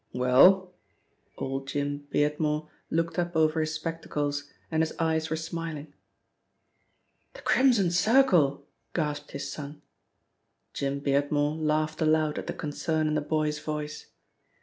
"Well?" Old Jim Beardmore looked up over his spectacles and his eyes were smiling. "The Crimson Circle!" gasped his son. Jim Beardmore laughed aloud at the concern in the boy's voice.